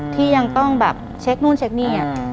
ที่ยังต้องแบบเช็คนู่นเช็คนี่